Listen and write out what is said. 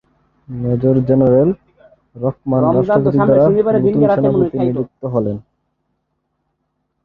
Major general Mahbubur Rahman রাষ্ট্রপতি দ্বারা নতুন সেনাপ্রধান নিযুক্ত হন।